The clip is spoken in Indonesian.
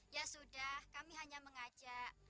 ya sudah kami hanya mengajak